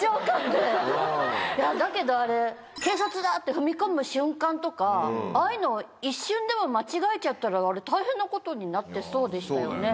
だけどあれ「警察だ！」って踏み込む瞬間とかああいうの一瞬でも間違えちゃったら大変なことになってそうでしたよね。